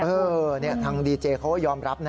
เออนี่ทางดีเจเขายอมรับนะ